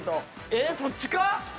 ええそっちか？